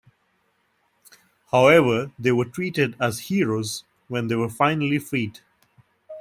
However, they were treated as heroes when they were finally freed.